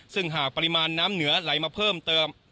ซึ่งหากปริมาณน้ำเหนือไหลมาเพิ่มเติม